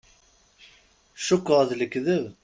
Cukkeɣ d lekdeb.